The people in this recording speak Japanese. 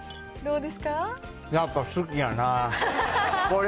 どうですか。